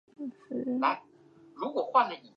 这是人首蛇身的怪物，能唤人名